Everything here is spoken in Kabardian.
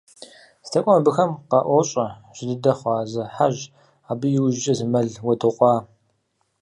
ЗдэкӀуэм абыхэм къаӀуощӀэ жьы дыдэ хъуауэ зы хьэжь, абы и ужькӀэ зы мэл уэдыкъуа.